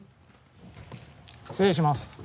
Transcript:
失礼します。